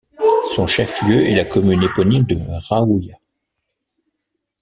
Son chef lieu est la commune éponyme de Rahouia.